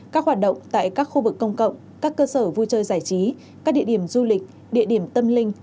các hoạt động tại các khu vực công cộng các cơ sở vui chơi giải trí các địa điểm du lịch địa điểm tâm linh